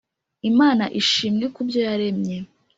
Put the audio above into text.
imana ishimwe kubyo yaremye